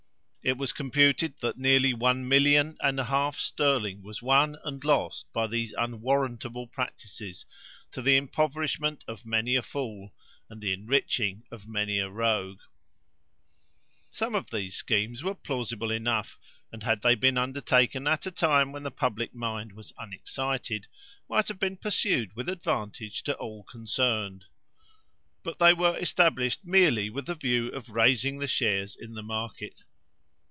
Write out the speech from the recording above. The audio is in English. It was computed that near one million and a half sterling was won and lost by these unwarrantable practices, to the impoverishment of many a fool, and the enriching of many a rogue. Coxe's Walpole, Correspondence between Mr. Secretary Craggs and Earl Stanhope. Some of these schemes were plausible enough, and, had they been undertaken at a time when the public mind was unexcited, might have been pursued with advantage to all concerned. But they were established merely with the view of raising the shares in the market.